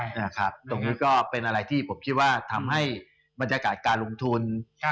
ตรงนี้ก็เป็นอะไรที่ผมคิดว่าทำให้บรรยากาศการลงทุน